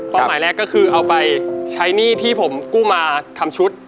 หมายแรกก็คือเอาไปใช้หนี้ที่ผมกู้มาทำชุด